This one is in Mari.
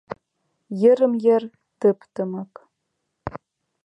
Йырым-йыр — тып-тымык.